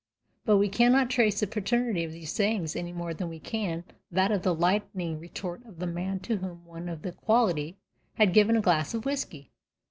But we cannot trace the paternity of these sayings any more than we can that of the lightning retort of the man to whom one of the "quality" had given a glass of whisky.